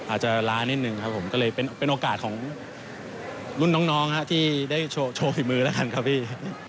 อาจจะล้านิดนึงครับผมก็เลยเป็นโอกาสของรุ่นน้องที่ได้โชว์ฝีมือแล้วกันครับพี่